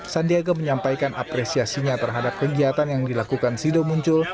sandiaga menyampaikan apresiasinya terhadap kegiatan yang dilakukan sido muncul